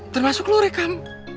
termasuk lo rekam